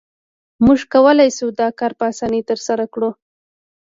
موږ کولای شو دا کار په اسانۍ ترسره کړو